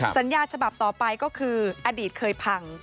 สัญญาฉบับต่อไปก็คืออดีตเคยพัง